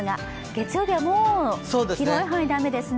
月曜日はもう広い範囲で雨ですね。